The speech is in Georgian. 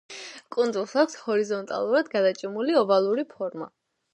კუნძულს აქვს ჰორიზონტალურად გადაჭიმული ოვალური ფორმა.